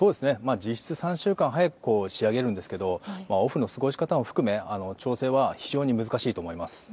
実質３週間早く仕上げるんですけどオフの過ごし方も含め、調整は非常に難しいと思います。